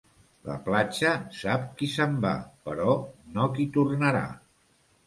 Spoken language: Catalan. La platja sap qui se'n va, però no qui tornarà.